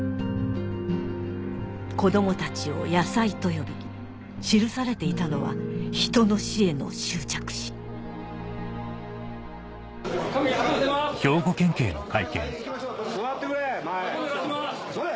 子供たちを「野菜」と呼び記されていたのは人の死への執着心・座ってくれ！